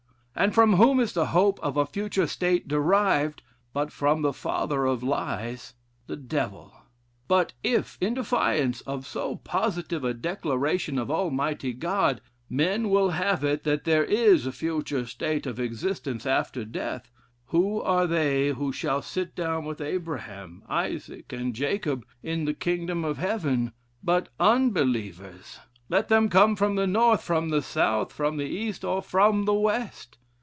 And from whom is the hope of a future state derived, but from the father of lies the Devil? But if in defiance of so positive a declaration of Almighty God, men will have it that there is a future state of existence after death, who are they who shall sit down with Abraham, Isaac, and Jacob, in the kingdom of Heaven, but unbelievers, let them come from the north, from the south, from the east, or from the west?